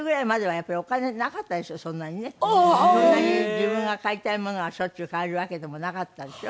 自分が買いたいものがしょっちゅう買えるわけでもなかったですよ。